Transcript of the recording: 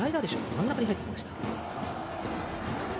真ん中に入ってきました。